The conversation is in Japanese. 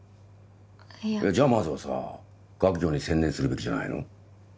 いやじゃあまずはさ学業に専念するべきじゃないの？